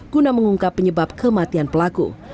guna mengungkap penyebab kematian pelaku